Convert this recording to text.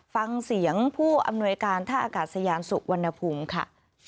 ฟังเสียงผู้อำนวยการท่าอากาศยานสุวรรณภูมิค่ะ